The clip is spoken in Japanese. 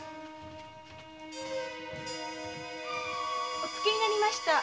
お着きになりました。